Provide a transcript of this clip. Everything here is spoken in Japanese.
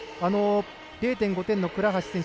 ０．５点の倉橋選手